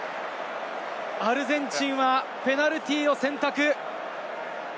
アルゼンチンはペナルティーを選択。